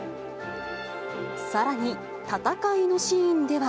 さらに戦いのシーンでは。